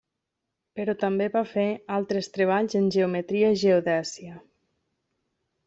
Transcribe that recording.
Però també va fer altres treballs en geometria i geodèsia.